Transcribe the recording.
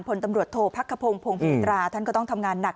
ผลตำรวจโทษพักขพงศ์พงศิราท่านก็ต้องทำงานหนัก